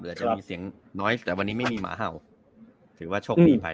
อาจจะมีเสียงน้อยแต่วันนี้ไม่มีหมาเห่าถือว่าโชคดีไป